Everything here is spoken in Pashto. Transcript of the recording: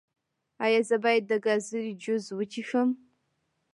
ایا زه باید د ګازرې جوس وڅښم؟